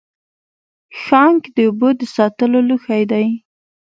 ښانک د اوبو د ساتلو لوښی دی